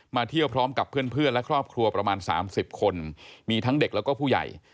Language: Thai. เที่ยวพร้อมกับเพื่อนและครอบครัวประมาณ๓๐คนมีทั้งเด็กแล้วก็ผู้ใหญ่